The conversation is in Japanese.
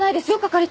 係長！